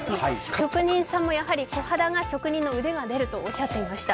職人さんもこはだが職人の腕が出るとおっしゃってました。